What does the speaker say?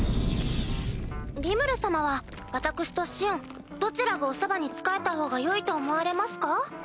リムル様は私とシオンどちらがおそばに仕えたほうがよいと思われますか？